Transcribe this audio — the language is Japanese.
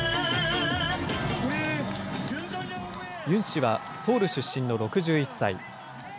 ユン氏はソウル出身の６１歳。